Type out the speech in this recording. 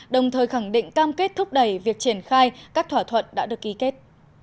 đồng thời khẳng định cam kết thúc đẩy việc triển khai các thỏa thuận đã được ký kết